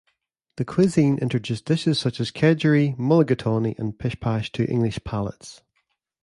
The cuisine introduced dishes such as kedgeree, mulligatawny and pish pash to English palates.